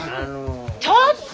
ちょっと！